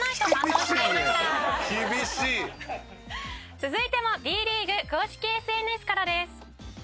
「厳しい」「続いてもＢリーグ公式ＳＮＳからです」